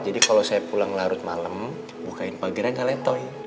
jadi kalau saya pulang larut malem bukain pagi aja kalian tau ya